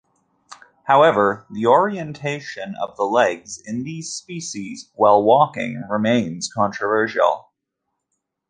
However, the orientation of the legs in these species while walking remains controversial.